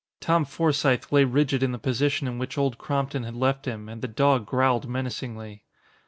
Tom Forsythe lay rigid in the position in which Old Crompton had left him, and the dog growled menacingly.